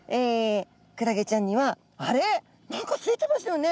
クラゲちゃんにはあれっ？何かついてましたよね？